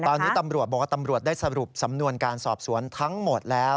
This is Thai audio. ตอนนี้ตำรวจบอกว่าตำรวจได้สรุปสำนวนการสอบสวนทั้งหมดแล้ว